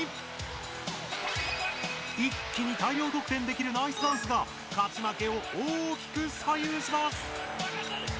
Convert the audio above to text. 一気に大量得点できるナイスダンスが勝ち負けを大きく左右します！